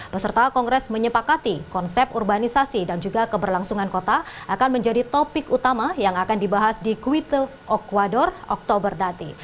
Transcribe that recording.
peserta kongres menyepakati konsep urbanisasi dan juga keberlangsungan kota akan menjadi topik utama yang akan dibahas di kuite ocuador oktober nanti